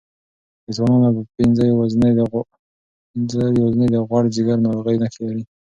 د ځوانانو پنځه یوازینۍ د غوړ ځیګر ناروغۍ نښې لري.